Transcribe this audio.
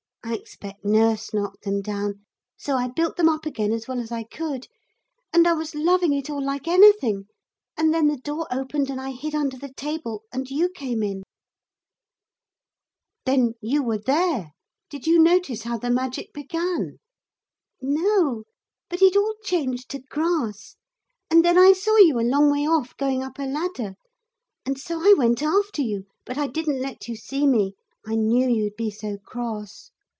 I expect nurse knocked them down. So I built them up again as well as I could and I was loving it all like anything; and then the door opened and I hid under the table, and you came in.' 'Then you were there did you notice how the magic began?' 'No, but it all changed to grass; and then I saw you a long way off, going up a ladder. And so I went after you. But I didn't let you see me. I knew you'd be so cross.